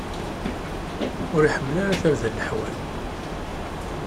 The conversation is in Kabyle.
Ur iḥemmel ara tarda n leḥwal.